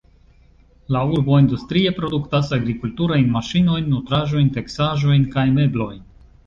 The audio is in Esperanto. La urbo industrie produktas agrikulturajn maŝinojn, nutraĵojn, teksaĵojn kaj meblojn.